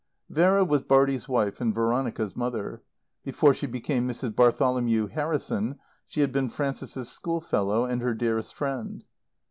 Vera was Bartie's wife and Veronica's mother. Before she became Mrs. Bartholomew Harrison she had been Frances's schoolfellow and her dearest friend.